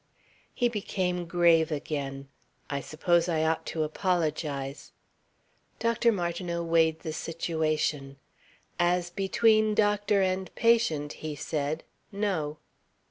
He became grave again. "I suppose I ought to apologize." Dr. Martineau weighed the situation. "As between doctor and patient," he said. "No."